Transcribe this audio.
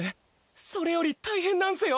それより大変なんすよ。